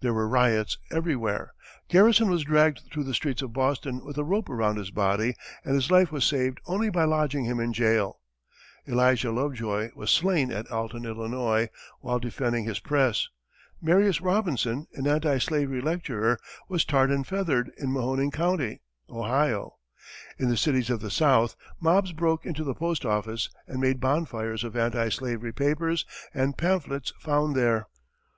There were riots everywhere. Garrison was dragged through the streets of Boston with a rope around his body and his life was saved only by lodging him in jail; Elijah Lovejoy was slain at Alton, Illinois, while defending his press; Marius Robinson, an anti slavery lecturer, was tarred and feathered in Mahoning County, Ohio; in the cities of the south, mobs broke into the postoffice and made bonfires of anti slavery papers and pamphlets found there.